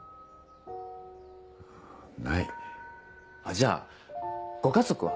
じゃあご家族は？